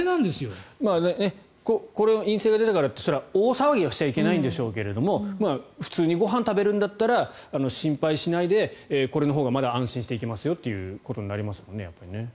陰性が出たからといって大騒ぎはしてはいけないんでしょうけど普通にご飯を食べるんだったら心配しないでこれのほうがまだ安心して行けますよとなりますもんね。